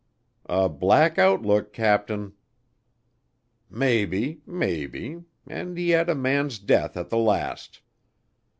"A black outlook, captain." "Maybe, maybe. And yet a man's death at the last."